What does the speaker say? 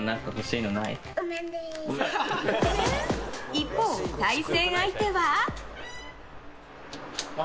一方、対戦相手は。